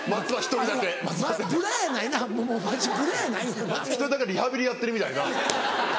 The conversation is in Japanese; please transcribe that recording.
１人だけリハビリやってるみたいな。